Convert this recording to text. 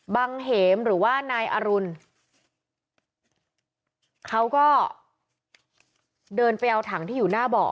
เหมหรือว่านายอรุณเขาก็เดินไปเอาถังที่อยู่หน้าเบาะ